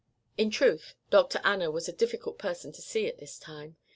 In truth Dr. Anna was a difficult person to see at this time.